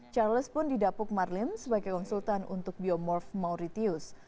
charles pun didapuk marlim sebagai konsultan untuk biomorph mauritius